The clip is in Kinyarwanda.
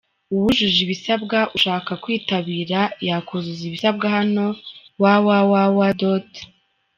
Uwujuje ibisabwa ushaka kwitabira yakuzuza ibisabwa hano www.